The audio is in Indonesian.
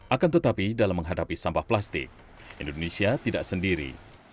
akan tetapi dalam menghadapi sampah plastik indonesia tidak sendiri